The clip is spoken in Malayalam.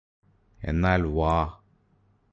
എന്നാല് വാ